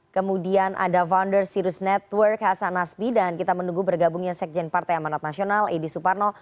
kemudian ada founder sirus network hasan nasbi dan kita menunggu bergabungnya sekjen partai amanat nasional edi suparno